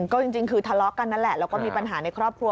ก็จริงคือทะเลาะกันนั่นแหละแล้วก็มีปัญหาในครอบครัว